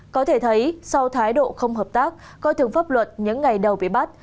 có thể thấy sau thái độ không hợp tác coi thường pháp luật những ngày đầu bị bắt